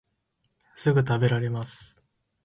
すぐたべられます